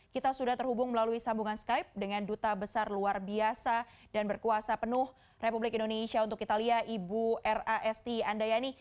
kita sudah terhubung melalui sambungan skype dengan duta besar luar biasa dan berkuasa penuh republik indonesia untuk italia ibu ra esti andayani